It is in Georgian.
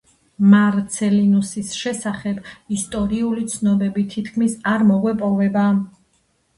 მარცელინუსის შესახებ ისტორიული ცნობები თითქმის არ მოგვეპოვება.